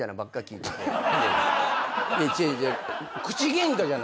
いや違う違う。